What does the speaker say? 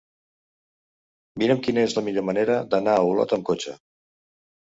Mira'm quina és la millor manera d'anar a Olot amb cotxe.